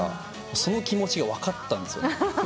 その気持ちが分かったんですよね。